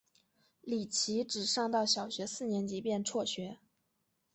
李琦只上到小学四年级便辍学。